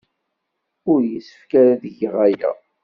Ur yessefk ara ad geɣ aya.